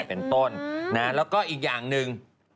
เป็นต้นนะแล้วก็อีกอย่างหนึ่ง